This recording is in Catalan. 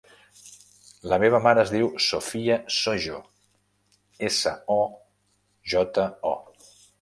La meva mare es diu Sophia Sojo: essa, o, jota, o.